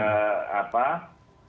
termasuk dalam aspek hukum misalnya ya